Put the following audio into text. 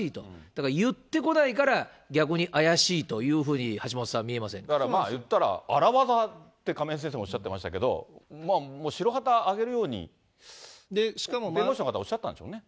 だから言ってこないから、逆に怪しいというふうに橋下さん見えまだから、言ったら荒業って亀井先生もおっしゃってましたけど、もう白旗上げるように弁護士の方、おっしゃったんでしょうね。